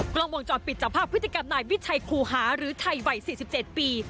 กล้องวงจรปิดจับภาพพฤติกรรมนายวิชัยครูหาหรือไทยวัย๔๗ปี